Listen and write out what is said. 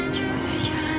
coba deh jalan